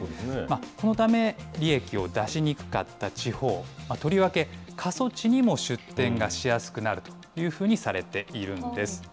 このため、利益を出しにくかった地方、とりわけ過疎地にも出店がしやすくなるというふうにされているんです。